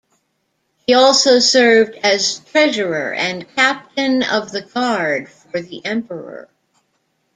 He also served as Treasurer and Captain of the Guard for the Emperor.